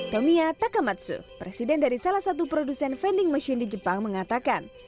tomia takamatsu presiden dari salah satu produsen vending machine di jepang mengatakan